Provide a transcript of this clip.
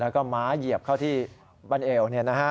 และก็ม้าเหยียบเข้าที่บรรเอล